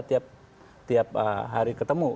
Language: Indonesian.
tiap hari ketemu